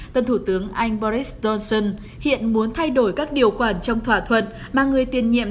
tân thủ tướng anh boris johnson hiện muốn thay đổi các điều khoản trong thỏa thuận mà người tiền nhiệm